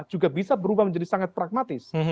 juga bisa berubah menjadi sangat pragmatis